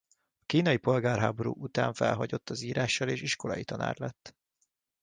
A kínai polgárháború után felhagyott az írással és iskolai tanár lett.